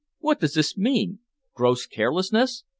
What does this mean? 'Gross carelessness!